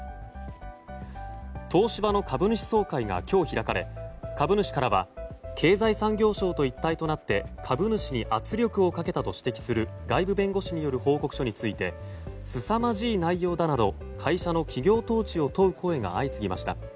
東芝の株主総会が今日開かれ株主からは経済産業省と一体となって株主に圧力をかけたと指摘する外部弁護士による報告書についてすさまじい内容だなど会社の企業統治を問う声が相次ぎました。